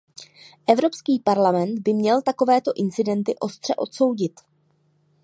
Evropský parlament by měl takovéto incidenty ostře odsoudit.